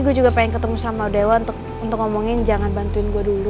hah kita harus pergi